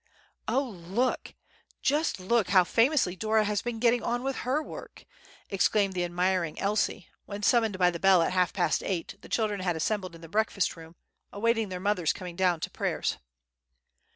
"Oh, look!—just look how famously Dora has been getting on with her work!" exclaimed the admiring Elsie, when, summoned by the bell at half past eight, the children had assembled in the breakfast room, awaiting their mother's coming down to prayers.